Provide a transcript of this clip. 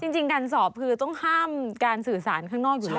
จริงการสอบคือต้องห้ามการสื่อสารข้างนอกอยู่แล้ว